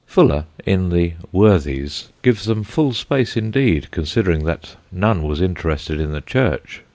Fuller, in the Worthies, gives them full space indeed considering that none was interested in the Church.